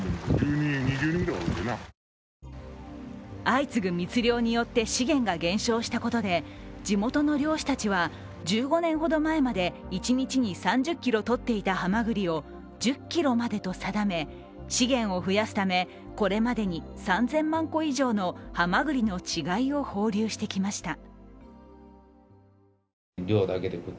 相次ぐ密漁によって資源が減少したことで地元の漁師たちは１５年ほど前まで一日に３０ｋｇ取っていたはまぐりを１０ｋｇまでと定め、資源を増やすため、これまでに３０００万個以上のはまぐりの稚貝を放流してきました。